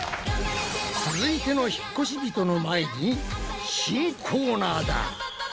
続いての引っ越し人の前に新コーナーだ！